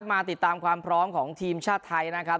มาติดตามความพร้อมของทีมชาติไทยนะครับ